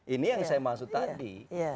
ini yang saya maksud tadi